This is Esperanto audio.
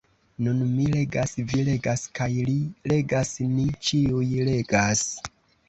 Nun mi legas, vi legas kaj li legas; ni ĉiuj legas.